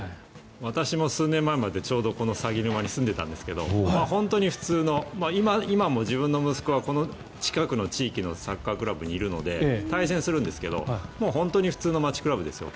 私も数年前までちょうどこの鷺沼に住んでいたんですが本当に普通の、今も自分の息子はこの近くの地域のサッカークラブにいるので対戦するんですが本当の普通の街クラブですよ。